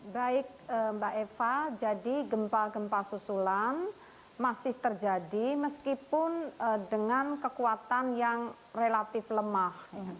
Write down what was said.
baik mbak eva jadi gempa gempa susulan masih terjadi meskipun dengan kekuatan yang relatif lemah